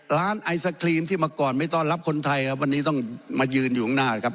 ไอศครีมที่มาก่อนไม่ต้อนรับคนไทยครับวันนี้ต้องมายืนอยู่ข้างหน้านะครับ